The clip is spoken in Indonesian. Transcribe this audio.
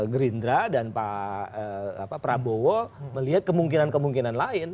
gerindra dan pak prabowo melihat kemungkinan kemungkinan lain